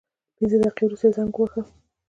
پنځه دقیقې وروسته یې زنګ وواهه.